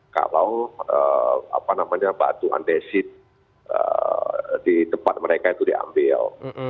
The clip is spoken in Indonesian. kalau batu andesit di tempat mereka itu diambil